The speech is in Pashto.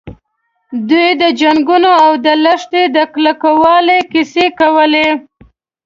دوی د جنګونو او د لښتې د کلکوالي کیسې کولې.